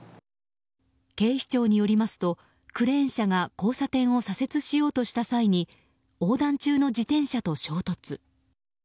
警視庁によりますとクレーン車が交差点を左折しようとした際に横断中の自転車と衝突。